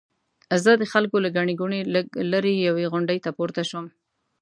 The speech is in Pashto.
زه د خلکو له ګڼې ګوڼې لږ لرې یوې غونډۍ ته پورته شوم.